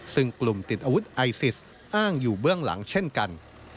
ซึ่งกลุ่มติดอาวุธไอซิสอ้างอยู่เบื้องหลังเช่นกัน